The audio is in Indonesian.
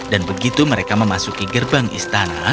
dan begitu mereka memasuki gerbang istana